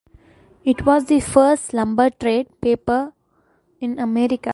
It was the first lumber trade paper in America.